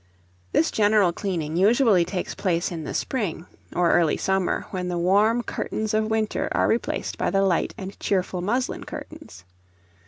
This general cleaning usually takes place in the spring or early summer, when the warm curtains of winter are replaced by the light and cheerful muslin curtains.